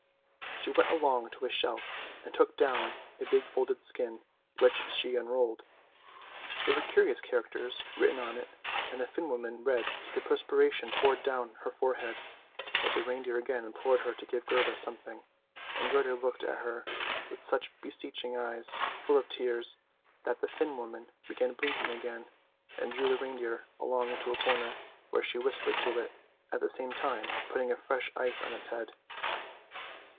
She went along to a shelf and took down a big folded skin, which she unrolled. There were curious characters written on it, and the Finn woman read till the perspiration poured down her forehead. But the reindeer again implored her to give Gerda some thing, and Gerda looked at her with such beseeching eyes, full of tears, that the Finn woman began blinking again, and drew the reindeer along into a corner, where she whispered to it, at the same time putting fresh ice on its head.